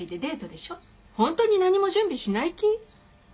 ホントに何も準備しない気？